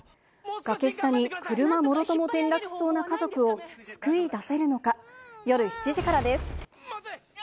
崖下に車もろとも転落しそうな家族を救い出せるのか。